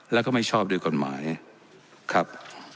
แล้วก็ไม่ชอบด้วยกฎหมายครับ